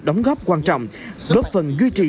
đóng góp quan trọng góp phần duy trì